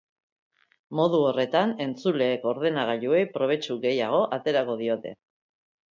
Modu horretan entzuleek ordenagailuei probetxu gehiago aterako diote.